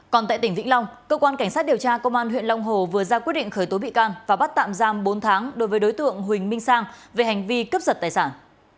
còn tại tỉnh vĩnh long cơ quan cảnh sát điều tra công an huyện long hồ vừa ra quyết định khởi tố bị can và bắt tạm giam bốn tháng đối với đối tượng huỳnh minh sang về hành vi cướp giật tài sản